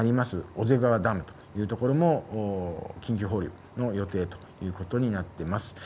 おぜ川ダムという所も緊急放流の予定ということになっています。